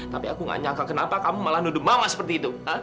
tapi aku gak nyangka kenapa kamu malah nuduh mama seperti itu